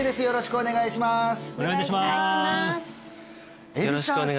よろしくお願いします